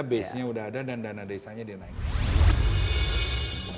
base nya udah ada dan dana desanya dinaikkan